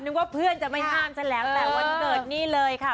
ว่าเพื่อนจะไม่ห้ามฉันแล้วแต่วันเกิดนี่เลยค่ะ